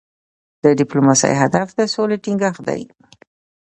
د ډيپلوماسی هدف د سولې ټینګښت دی.